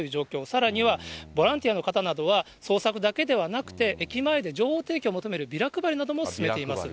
さらにはボランティアの方などは、捜索だけではなくて、駅前で情報提供を求めるビラ配りなども進めています。